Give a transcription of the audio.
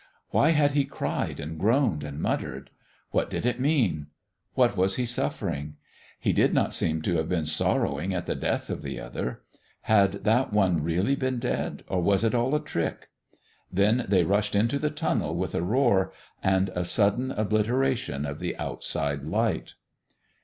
Why had He cried and groaned and muttered? What did it mean? What was He suffering? He did not seem to have been sorrowing at the death of the other. Had that one really been dead, or was it all a trick? Then they rushed into the tunnel with a roar and a sudden obliteration of the outside light.